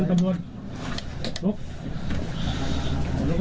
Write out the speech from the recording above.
หันไปมองกระตุกผู้โทษภาพดิ